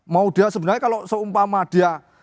mau dia sebenarnya kalau seumpama dia